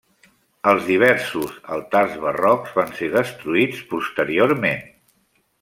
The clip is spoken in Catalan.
Els diversos altars barrocs van ser destruïts posteriorment.